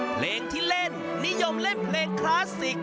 เพลงที่เล่นนิยมเล่นเพลงคลาสสิก